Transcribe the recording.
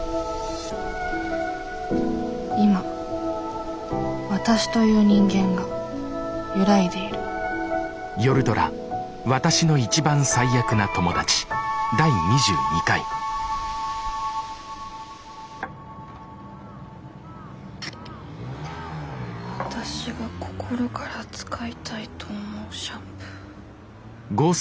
今わたしという人間が揺らいでいるわたしが心から使いたいと思うシャンプー。